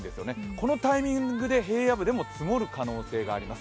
このタイミングで平野部でも積もる可能性があります。